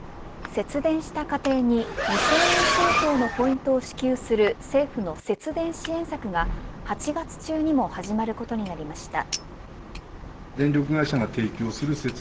節電した家庭に２０００円相当のポイントを支給する政府の節電支援策が８月中にも始まることになりました。